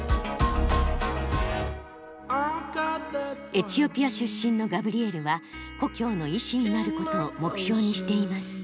エチオピア出身のガブリエルは故郷の医師になることを目標にしています。